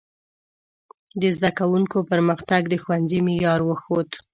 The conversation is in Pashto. د زده کوونکو پرمختګ د ښوونځي معیار وښود.